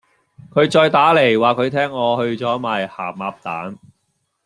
佢再打黎話佢聽我去左賣咸鴨蛋